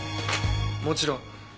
もちろん。